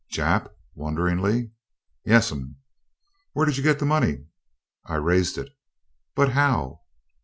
"Jap?" wonderingly. "Yes'm." "Where did you get the money?" "I raised it." "But how?"